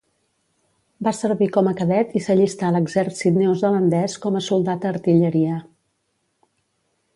Va servir com a cadet i s'allistà a l'Exèrcit Neozelandès com a soldat a artilleria.